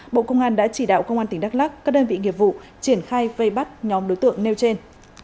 bộ công an đã chỉ đạo công an tỉnh đắk lắc các đơn vị nghiệp vụ triển khai vây bắt nhóm đối tượng nêu trên